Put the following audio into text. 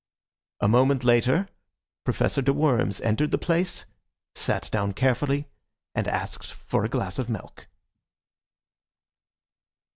A moment later Professor de Worms entered the place, sat down carefully, and asked for a glass of milk.